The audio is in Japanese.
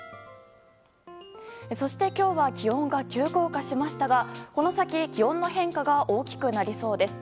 そして、今日は気温が急降下しましたがこの先気温の変化が大きくなりそうです。